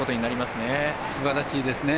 すばらしいですね。